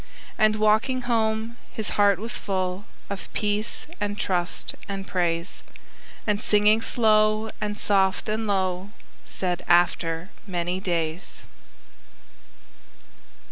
And, walking home, his heart was full Of peace and trust and praise; And singing slow and soft and low, Said, "After many days."